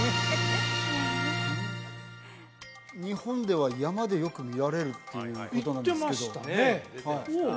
日本では山でよく見られるっていうことなんですけど言ってましたね